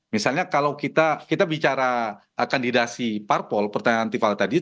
misalnya kalau kita bicara kandidasi parpol pertanyaan tifal tadi